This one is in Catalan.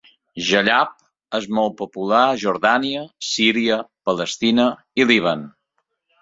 Jallab és molt popular a Jordània, Síria, Palestina i Líban.